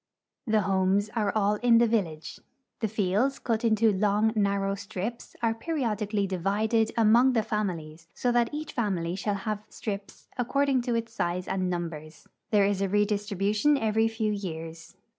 The homes are all in the village. The fields, cut into long, narrow strips, are periodically divided among the families, so that each family shall have strips according to its size and numbers. There is a redistribution every few years.